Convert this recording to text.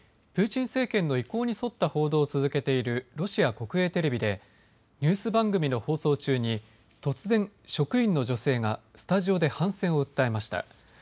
プーチン政権の意向に沿った報道を続けているロシア国営テレビでニュース番組の放送中に突然、職員の女性がスタジオで反戦を訴えました。